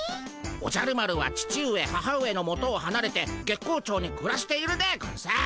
おじゃる丸は父上母上のもとをはなれて月光町にくらしているでゴンス。